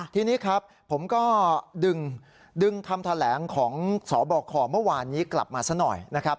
ทีนี้ครับผมก็ดึงคำแถลงของสบคเมื่อวานนี้กลับมาซะหน่อยนะครับ